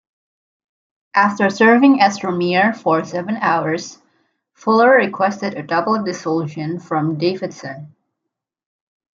After serving as Premier for seven hours, Fuller requested a double-dissolution from Davidson.